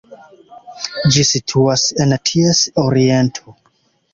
Ĝi situas en ties oriento.